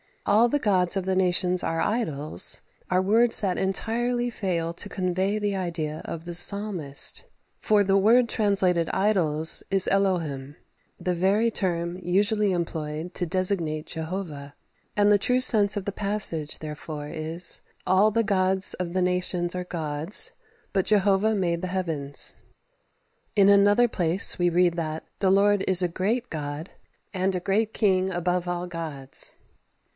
"All the gods of the nations are idols" are words that entirely fail to convey the idea of the Psalmist; for the word translated "idols" is Elohim, the very term usually employed to designate Jehovah; and the true sense of the passage therefore is: "All the gods of the nations are gods, but Jehovah made the heavens." In another place we read that "The Lord is a great God, and a great King above all gods."